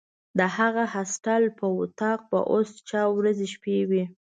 د هغه هاسټل په وطاق به اوس چا ورځې شپې وي.